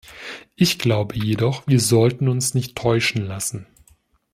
Ich glaube jedoch, wir sollten uns nicht täuschen lassen.